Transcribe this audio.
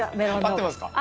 合ってますか？